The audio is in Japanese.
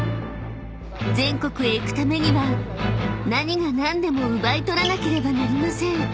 ［全国へ行くためには何が何でも奪い取らなければなりません］